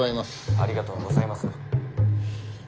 ありがとうございます。